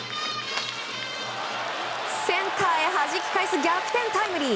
センターへはじき返す逆転タイムリー。